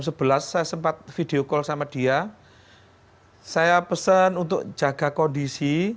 lalu pas saya sempat video call sama dia saya pesen untuk jaga kondisi